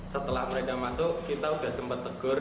setelah mereka masuk kita sudah sempat tegur